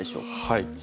はい。